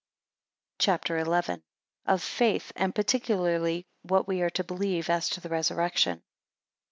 CHAP. XI. Of faith: and particularly what we are to believe as to the Resurrection.